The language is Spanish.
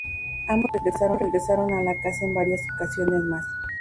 Ambos regresaron a la casa en varias ocasiones más.